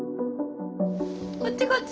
こっちこっち！